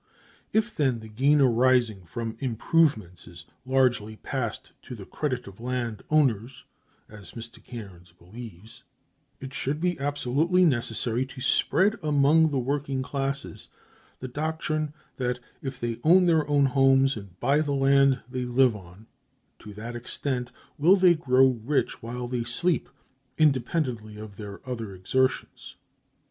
If, then, the gain arising from improvements is largely passed to the credit of land owners, as Mr. Cairnes believes, it should be absolutely necessary to spread among the working classes the doctrine that if they own their own homes, and buy the land they live on, to that extent will they "grow rich while they sleep," independently of their other exertions.